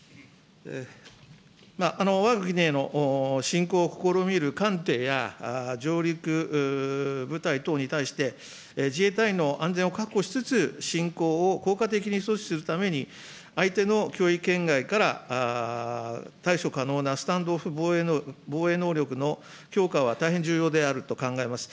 わが国への侵攻を試みる艦艇や上陸部隊等に対して、自衛隊員の安全を確保しつつ、侵攻を効果的に阻止するために、相手の脅威圏外から対処可能なスタンド・オフ防衛能力の強化は大変重要であると考えます。